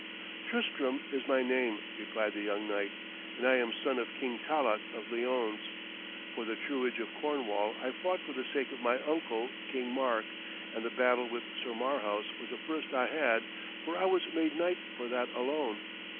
'Tristram is my name,' replied the young knight, 'and I am son of King Talloch of Lyones. For the truage of Cornwall I fought for the sake of my uncle King Mark, and the battle with Sir Marhaus was the first I had, for I was made knight for that alone.